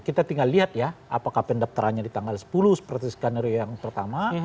kita tinggal lihat ya apakah pendaftarannya di tanggal sepuluh seperti skenario yang pertama